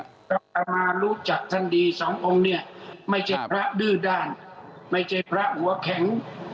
พระอามารู้จักท่านดีสององค์เนี่ยไม่ใช่พระดื้อด้านไม่ใช่พระหัวแข็ง